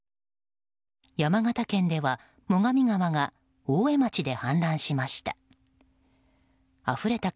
山形県では、最上川が大江町で氾濫しました。